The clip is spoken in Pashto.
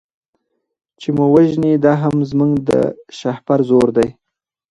چي مو وژني دا هم زموږ د شهپر زور دی